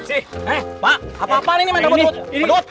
eh pak apa apaan ini main takut takut